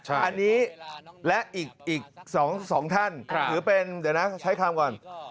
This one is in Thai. อันนี้และอีก๒ท่านถือเป็นเดี๋ยวนะใช้คำก่อน